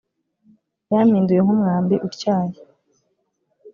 yampinduye nk umwambi utyaye